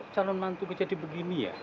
calon mantu menjadi begini ya